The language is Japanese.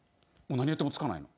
何やってもつかないの。